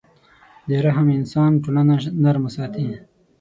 د رحم احساس ټولنه نرمه ساتي.